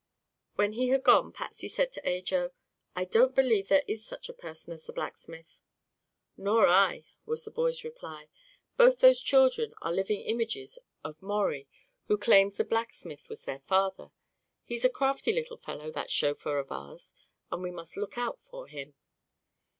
When he had gone Patsy said to Ajo: "I don't believe there is any such person as the blacksmith." "Nor I," was the boy's reply. "Both those children are living images of Maurie, who claims the blacksmith was their father. He's a crafty little fellow, that chauffeur of ours, and we must look out for him."